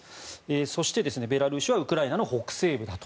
そして、ベラルーシはウクライナの北西部だと。